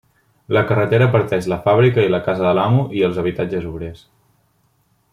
La carretera parteix la fàbrica i la casa de l'amo i els habitatges obrers.